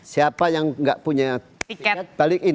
siapa yang nggak punya tiket balikin